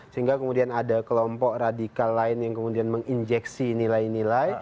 sehingga kemudian ada kelompok radikal lain yang kemudian menginjeksi nilai nilai